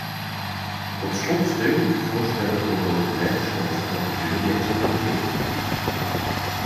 Tot slot steun ik de voorstellen voor overleg zoals de rapporteur deze heeft neergelegd.